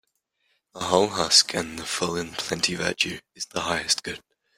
The hull husk and the full in plenty Virtue is the highest good.